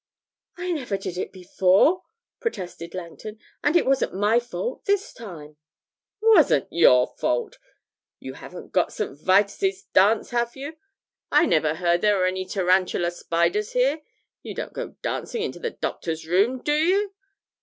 'I never did it before,' protested Langton, 'and it wasn't my fault this time.' 'Wasn't your fault! You haven't got St. Vitus' dance, have you? I never heard there were any Tarantula spiders here. You don't go dancing into the Doctor's room, do you?